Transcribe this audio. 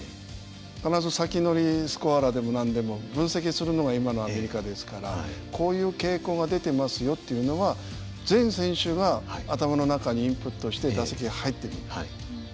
必ず先乗りスコアラーでも何でも分析するのが今のアメリカですからこういう傾向が出てますよっていうのは全選手が頭の中にインプットして打席に入っている。